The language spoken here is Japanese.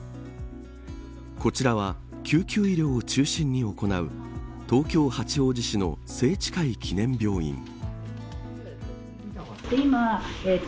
こちらは救急医療を中心に行う東京、八王子市の清智会記念病院